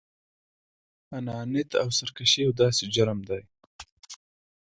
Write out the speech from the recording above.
انانيت او سرکشي يو داسې جرم دی.